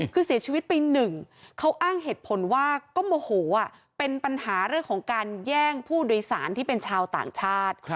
คือเสียชีวิตไปหนึ่งเขาอ้างเหตุผลว่าก็โมโหเป็นปัญหาเรื่องของการแย่งผู้โดยสารที่เป็นชาวต่างชาติ